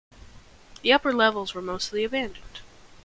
The upper levels were mostly abandoned.